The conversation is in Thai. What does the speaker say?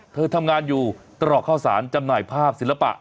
เธอทำงานอยู่ตรอกข้าวสารจำหน่ายภาพศิลปะ